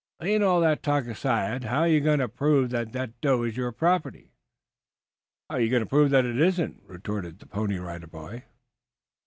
"Layin' all that talk aside, how you going to prove that that doe is your property?" "How are you going to prove that it isn't?" retorted the Pony Rider Boy.